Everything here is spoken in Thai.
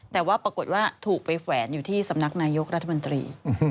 แต่ว่าปรากฏว่าถูกไปแขวนอยู่ที่สำนักนายกรัฐมนตรี